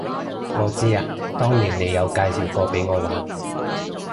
我知啊，當年你有介紹過畀我玩